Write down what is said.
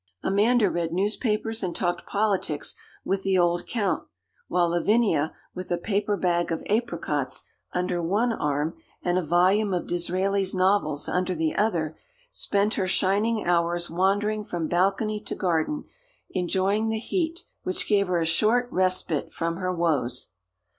Amanda read newspapers and talked politics with the old count; while Lavinia, with a paper bag of apricots under one arm and a volume of Disraeli's novels under the other, spent her shining hours wandering from balcony to garden, enjoying the heat, which gave her a short respite from her woes.